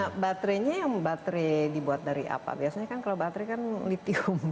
nah baterainya yang baterai dibuat dari apa biasanya kan kalau baterai kan lithium